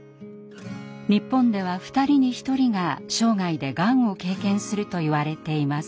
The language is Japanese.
日本では２人に１人が生涯でがんを経験するといわれています。